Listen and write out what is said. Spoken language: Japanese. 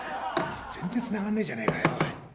全然つながんねえじゃねえかよおい！